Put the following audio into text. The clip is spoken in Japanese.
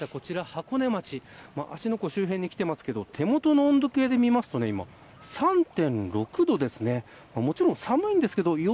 こちら箱根町、芦ノ湖周辺に来ていますが手元の温度計を見ますと今、３．６度です。